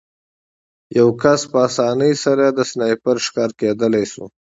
یو کس په اسانۍ سره د سنایپر ښکار کېدلی شو